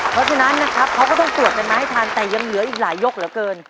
เพราะฉะนั้นนะครับเขาก็ต้องตรวจกันมาให้ทันแต่ยังเหลืออีกหลายยกเหลือเกิน